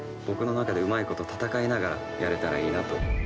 僕の中でうまいこと戦いながらやれたらいいなと。